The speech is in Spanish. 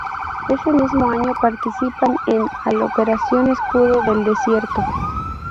Ese mismo año participan en al Operación Escudo del Desierto.